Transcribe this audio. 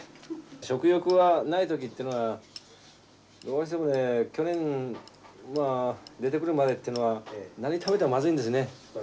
食欲はない時っていうのはどうしてもね去年まあ出てくるまでっていうのは何食べてもまずいんですね。